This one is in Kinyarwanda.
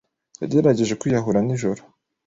Yagerageje kwiyahura nijoro.